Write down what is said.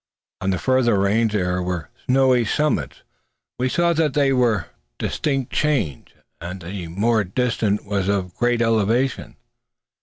On the farther range there were snowy summits. We saw that they were distinct chains, and that the more distant was of great elevation.